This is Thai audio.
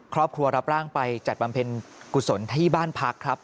ครอบครัวรับร่างไปจัดบำเพ็ญกุศลที่บ้านพักครับ